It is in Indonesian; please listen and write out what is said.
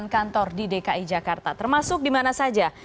enam puluh delapan kantor di dki jakarta termasuk di mana saja